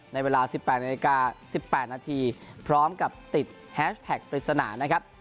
ในเวลาสิบแปดนาฬิกาสิบแปดนาทีพร้อมกับติดพริศนาง่ายนะครับ